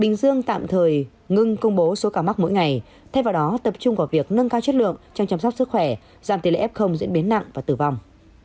bình dương tạm thời ngưng công bố số ca mắc mỗi ngày thay vào đó tập trung vào việc nâng cao chất lượng trong chăm sóc sức khỏe giảm tỷ lệ f diễn biến nặng và tử vong